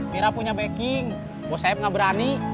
mira punya backing buat saya gak berani